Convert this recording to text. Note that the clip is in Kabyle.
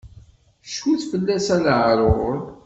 Cfut fell-as a leɛrur!